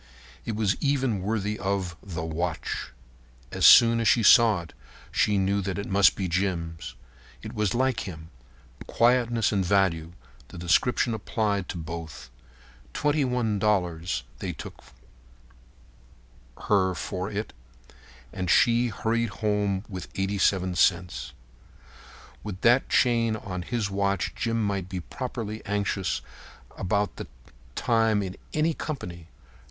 It was even worthy of The Watch. As soon as she saw it she knew that it must be Jim's. It was like him. Quietness and value—the description applied to both. Twenty one dollars they took from her for it, and she hurried home with the 87 cents. With that chain on his watch Jim might be properly anxious about the time in any company.